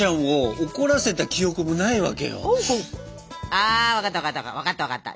あ分かった分かった分かった分かった。